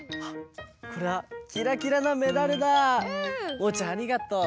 おうちゃんありがとう。